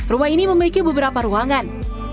rumah ini memiliki beberapa ruangan